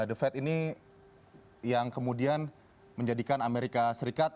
the fed ini yang kemudian menjadikan amerika serikat